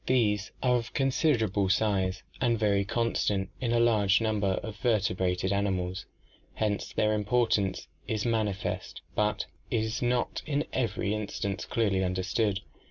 These are of consider 126 ORGANIC EVOLUTION able size and very constant in a large number of vertebrated an imals; hence their importance is manifest, but is not in every instance clearly understood.